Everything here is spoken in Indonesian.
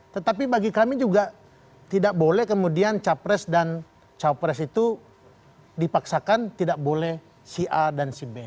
tetapi bagi kami juga tidak boleh kemudian capres dan cawapres itu dipaksakan tidak boleh si a dan si b